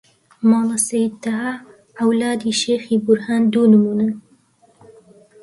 ماڵە سەید تەها، عەولادی شێخی بورهان دوو نموونەن